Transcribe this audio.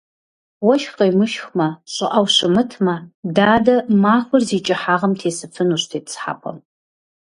Уэшх къемышхмэ, щӀыӀэу щымытмэ, дадэ махуэр зи кӀыхьагъым тесыфынущ тетӏысхьэпӏэм.